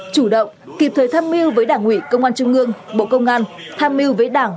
chủ động kịp thời tham mưu với đảng ủy công an trung ương bộ công an tham mưu với đảng